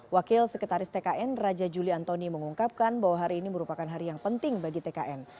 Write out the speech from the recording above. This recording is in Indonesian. wakil sekretaris tkn raja juli antoni mengungkapkan bahwa hari ini merupakan hari yang penting bagi tkn